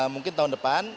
mungkin tahun depan